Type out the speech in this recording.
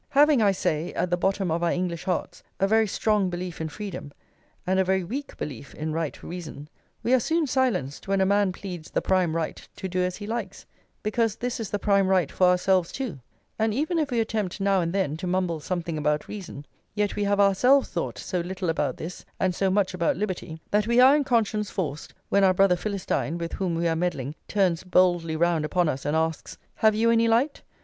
Having, I say, at the bottom of our English hearts a very strong belief in freedom, and a very weak belief in right reason, we are soon silenced when a man pleads the prime right to do as he likes, because this is the prime right for ourselves too; and even if we attempt now and then to mumble something about reason, yet we have ourselves thought so little about this and so much about liberty, that we are in conscience forced, when our brother Philistine with whom we are meddling turns boldly round upon us and asks: Have you any light?